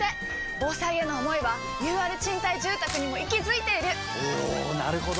防災への想いはＵＲ賃貸住宅にも息づいているおなるほど！